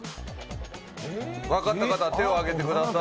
分かった方は手を挙げてください。